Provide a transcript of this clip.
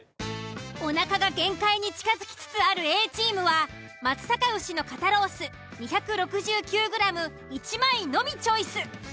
おなかが限界に近づきつつあるＡチームは松阪牛の肩ロース２６９ｇ１枚のみチョイス。